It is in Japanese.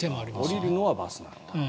下りるのはバスなんだ。